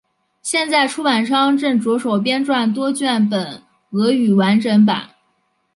现在出版商正着手编撰多卷本俄语完整版。